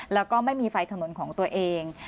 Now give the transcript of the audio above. แล้วก็ไม่มีไฟถนนของตัวเอง